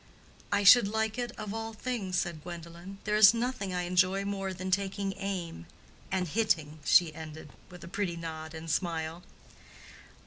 "I should like it of all things," said Gwendolen. "There is nothing I enjoy more than taking aim—and hitting," she ended, with a pretty nod and smile.